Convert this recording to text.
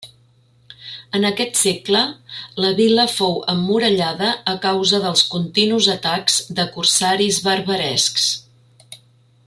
En aquest segle, la vila fou emmurallada a causa dels continus atacs de corsaris barbarescs.